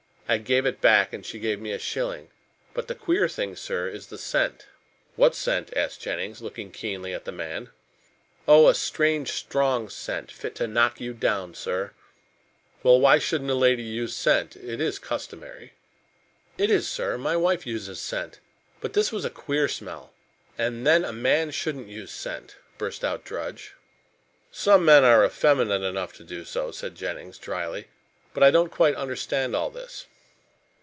I gave it back, and she gave me a shilling. But the queer thing, sir, is the scent." "What scent?" asked Jennings, looking keenly at the man. "Oh, a strange strong scent, fit to knock you down, sir." "Well, and why shouldn't a lady use scent. It is customary." "It is, sir. My wife uses scent. But this was a queer smell. And then a man shouldn't use scent," burst out Drudge. "Some men are effeminate enough to do so," said Jennings drily. "But I don't quite understand all this."